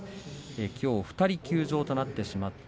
きょう２人休場となりました。